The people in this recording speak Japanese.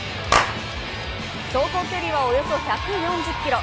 走行距離はおよそ１４０ｋｍ。